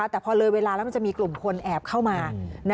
แต่พอเลยเวลาแล้วมันจะมีกลุ่มคนแอบเข้ามา